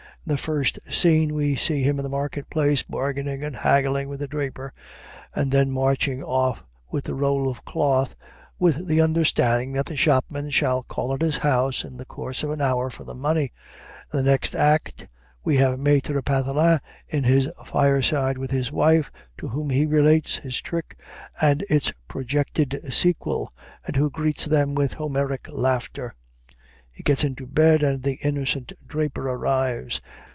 In the first scene we see him in the market place, bargaining and haggling with the draper, and then marching off with the roll of cloth, with the understanding that the shopman shall call at his house in the course of an hour for the money. In the next act we have Maître Pathelin at his fireside with his wife, to whom he relates his trick and its projected sequel, and who greets them with Homeric laughter. He gets into bed, and the innocent draper arrives.